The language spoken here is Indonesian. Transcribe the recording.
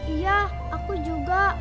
iya aku juga